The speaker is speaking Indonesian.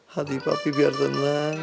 hati papi biar tenang